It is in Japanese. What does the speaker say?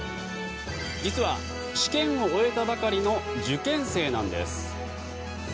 実は、試験を終えたばかりの受験生なんです。